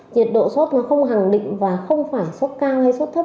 nhiệt độ sốt nó không hẳn định và không phải sốt cao hay sốt thấp